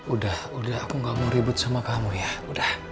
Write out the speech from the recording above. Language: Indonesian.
udah udah aku gak mau ribut sama kamu ya udah